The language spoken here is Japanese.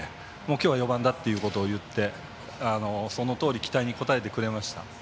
今日は４番だということをいってそのとおり期待に応えてくれました。